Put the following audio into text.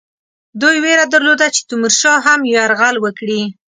دوی وېره درلوده چې تیمورشاه هم یرغل وکړي.